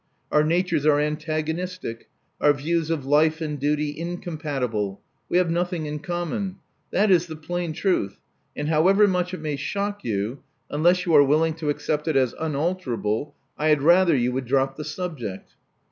Our natures are antagonistic, our views of life and duty incompatible: we have nothing in common. That is the plain truth ; and however much it may shock you, unless you are willing to accept it as unalterable, I had rather you would drop the subject."